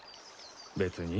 別に。